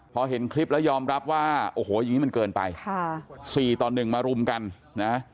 พอเห็นคลิปแล้วยอมรับว่าโอ้โหอย่างนี้มันเกินไปค่ะ๔ต่อ๑มารุมกันนะ